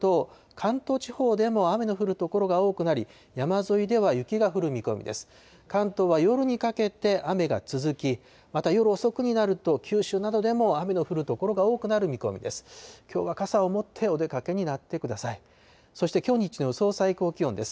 関東は夜にかけて雨が続き、また夜遅くになると、九州などでも雨の降る所が多くなる見込みです。